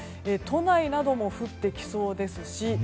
都内なども降ってきそうですし